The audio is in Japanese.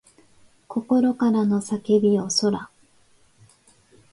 心からの叫びよそら